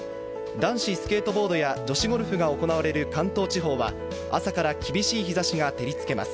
男子スケートボードや女子ゴルフが行われる関東地方は朝から厳しい日差しが照りつけます。